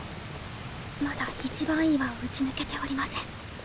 まだ一番岩を打ち抜けておりません。